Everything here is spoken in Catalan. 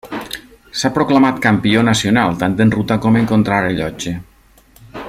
S'ha proclamat campió nacional, tant en ruta com en contrarellotge.